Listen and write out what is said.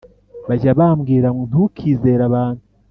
Bajya bambwira ngo ntukizere abantu